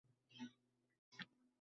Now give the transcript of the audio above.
Galina Serebryakova, yozuvchi.